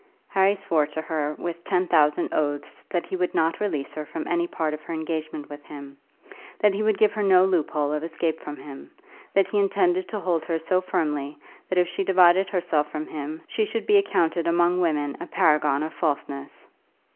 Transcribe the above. Harry swore to her with ten thousand oaths that he would not release her from any part of her engagement with him, that he would give her no loophole of escape from him, that he intended to hold her so firmly that if she divided herself from him, she should be accounted among women a paragon of falseness.